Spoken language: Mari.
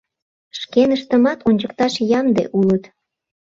— Шкеныштымат ончыкташ ямде улыт.